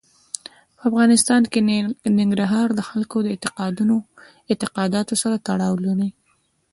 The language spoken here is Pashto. په افغانستان کې ننګرهار د خلکو د اعتقاداتو سره تړاو لري.